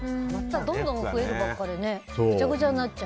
どんどん増えるばっかでぐちゃぐちゃになっちゃう。